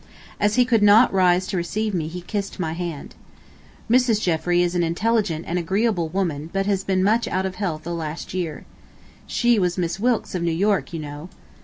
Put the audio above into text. As he could not rise to receive me he kissed my hand. Mrs. Jeffrey is an intelligent and agreeable woman but has been much out of health the last year. She was Miss Wilkes of New York, you know.